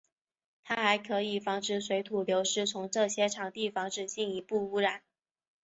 它还可以防止水土流失从这些场地防止进一步污染。